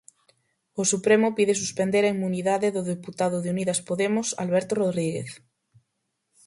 O Supremo pide suspender a inmunidade do deputado de Unidas Podemos Alberto Rodríguez.